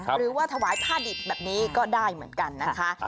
หรือว่าถวายผ้าดิบแบบนี้ก็ได้เหมือนกันนะคะ